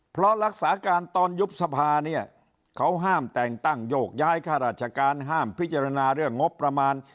เพราะรักษาการตอนยุบสภาเนี่ยเขาห้ามแต่งตั้งโยกย้ายข้าราชการห้ามพิจารณาเรื่องงบประมาณ